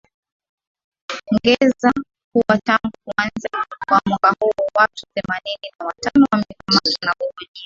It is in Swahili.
ngeza kuwa tangu kuanza kwa mwaka huu watu themanini na watano wamekamatwa na kuhojiwa